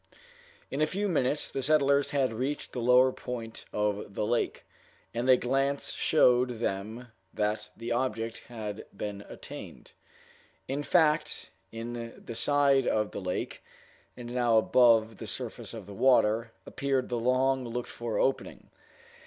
In a few minutes the settlers had reached the lower point of the lake, and a glance showed them that the object had been attained. In fact, in the side of the lake, and now above the surface of the water, appeared the long looked for opening.